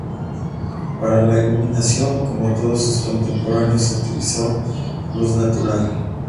Para la iluminación, como todos sus contemporáneos, utilizó luz natural.